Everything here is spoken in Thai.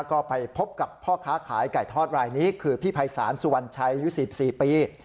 ก็ไปพบกับพ่อค้าขายไก่ทอดรายนี้คือพี่ภัยศาลสุวรรณชัยอายุ๔๔ปี